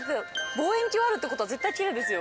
望遠鏡あるって事は絶対キレイですよ。